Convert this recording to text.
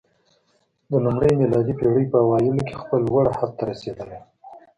د لومړۍ میلادي پېړۍ په اوایلو کې خپل لوړ حد ته رسېدلی